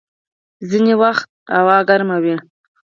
ځيني وخت هوا ګرمه وي.